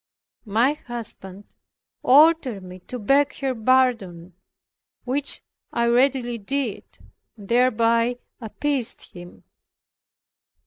My husband ordered me to beg her pardon, which I readily did, and thereby appeased him.